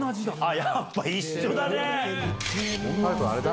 やっぱ一緒だね。